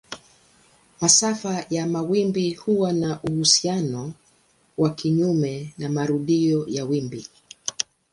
Masafa ya mawimbi huwa na uhusiano wa kinyume na marudio ya wimbi.